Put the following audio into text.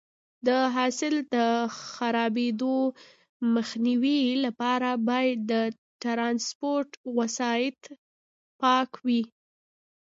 د حاصل د خرابېدو مخنیوي لپاره باید د ټرانسپورټ وسایط پاک وي.